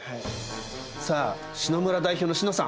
さあ詩乃村代表の詩乃さん。